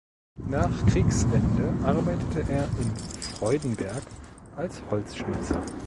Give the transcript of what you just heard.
Nach Kriegsende arbeitete er in Freudenberg als Holzschnitzer.